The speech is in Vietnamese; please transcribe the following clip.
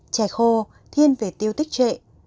trà khô thiên về tiêu tích trệ